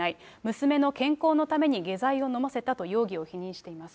娘の健康のために下剤を飲ませたと容疑を否認しています。